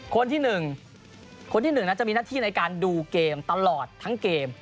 คนที่๑คนที่๑นั้นจะมีหน้าที่ในการดูเกมตลอดทั้งเกม